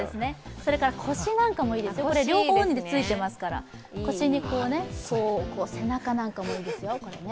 それから腰なんかもいいですよ、両方についていますから背中なんかもいいですよ。